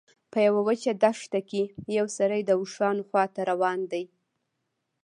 په یوه وچه دښته کې یو سړی د اوښانو خواته روان دی.